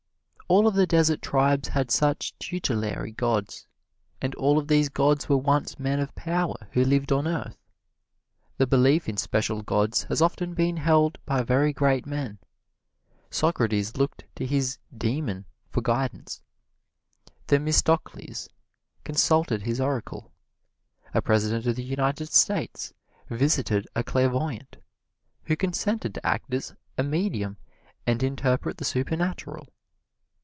All of the desert tribes had such tutelary gods; and all of these gods were once men of power who lived on earth. The belief in special gods has often been held by very great men: Socrates looked to his "demon" for guidance; Themistocles consulted his oracle; a President of the United States visited a clairvoyant, who consented to act as a medium and interpret the supernatural.